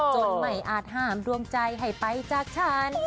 จนไม่อาจห้ามดวงใจให้ไปจากฉัน